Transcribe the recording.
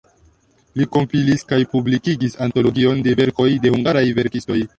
Li kompilis kaj publikigis antologion de verkoj de hungaraj verkistoj.